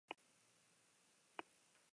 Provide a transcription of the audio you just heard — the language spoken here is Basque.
Keak eta kedarrak etxebizitza osoa belztu dute.